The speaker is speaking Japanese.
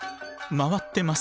回ってます。